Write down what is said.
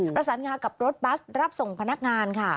เปราษนงากับรถบ๊อตรับส่งพนักงานค่ะ